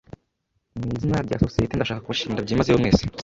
Mw'izina rya sosiyete, ndashaka kubashimira byimazeyo mwese.